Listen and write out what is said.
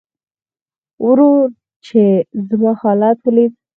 ورور چې زما حالت وليده .